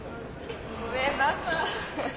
ごめんなさい。